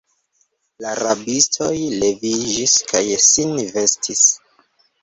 La rabistoj leviĝis kaj sin vestis.